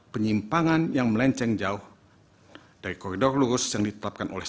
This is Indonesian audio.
penyimpangan yang melenceng jauh dari koridor lurus yang ditetapkan oleh